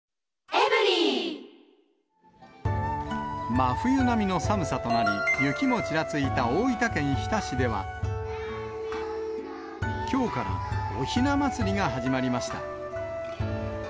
真冬並みの寒さとなり、雪もちらついた大分県日田市では、きょうから、おひなまつりが始まりました。